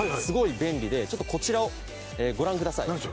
すごい便利でちょっとこちらをご覧ください。